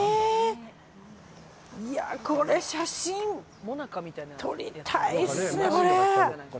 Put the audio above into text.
これ写真撮りたいですね。